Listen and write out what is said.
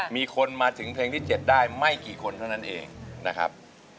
มีคนมาถึงเพลงที่๗ได้ไม่กี่คนเท่านั้นเองนะครับ